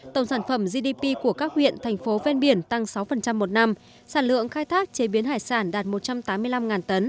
tổng sản phẩm gdp của các huyện thành phố ven biển tăng sáu một năm sản lượng khai thác chế biến hải sản đạt một trăm tám mươi năm tấn